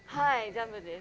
ジャムです。